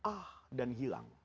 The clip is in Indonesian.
ah dan hilang